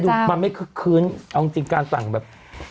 แต่ครั้งนี้ไม่คืนขึ้นเอาจริงการสั่งแบบ